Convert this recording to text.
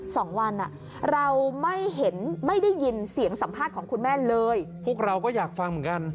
สองวันอ่ะเราไม่เห็นไม่ได้ยินเสียงสัมภาษณ์ของคุณแม่เลยพวกเราก็อยากฟังเหมือนกัน